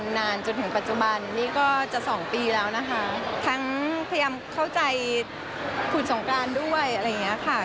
ทั้งพยายามเข้าใจขุดสงครานด้วยอะไรอย่างนี้ค่ะ